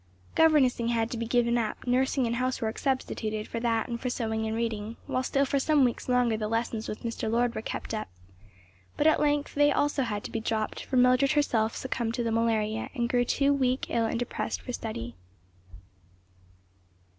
Governessing had to be given up, nursing and housework substituted for that and for sewing and reading, while still for some weeks longer the lessons with Mr. Lord were kept up; but at length they also had to be dropped, for Mildred herself succumbed to the malaria and grew too weak, ill and depressed for study.